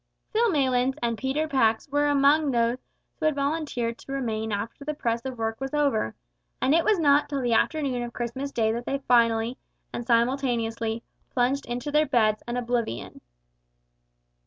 Phil Maylands and Peter Pax were among those who had volunteered to remain after the press of work was over; and it was not till the afternoon of Christmas day that they finally, and simultaneously, plunged into their beds and oblivion.